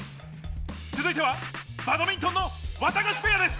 続いてはバドミントンのわたがしペアです！